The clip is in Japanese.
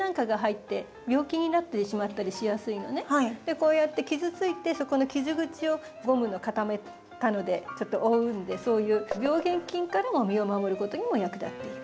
こうやって傷ついてそこの傷口をゴムの固めたのでちょっと覆うのでそういう病原菌からも身を守ることにも役立っている。